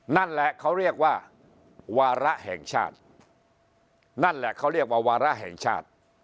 นั่นแหละเขาเรียกว่าวาระแห่งชาติ